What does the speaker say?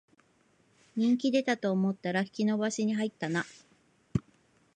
人気出たと思ったら引き延ばしに入ったな